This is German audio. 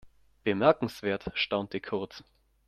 "Bemerkenswert", staunte Kurt.